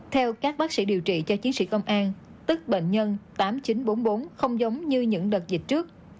theo các bác sĩ điều trị cho chiến sĩ công an tức bệnh nhân tám nghìn chín trăm bốn mươi bốn không giống như những đợt dịch trước